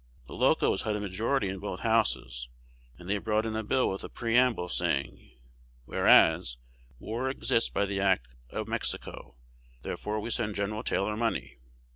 The Locos had a majority in both Houses, and they brought in a bill with a preamble, saying, Whereas, War exists by the act of Mexico, therefore we send Gen. Taylor money.